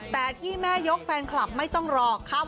แต่ที่แม่ยกแฟนคลับไม่ต้องรอครับ